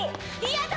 嫌だ！